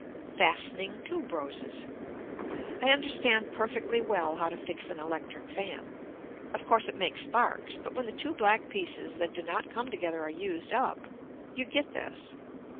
FASTENING TUBE ROSES I understand perfectly well how to fix an electric fan. Of course it makes sparks but when the two black pieces that do not come together are used up you get this.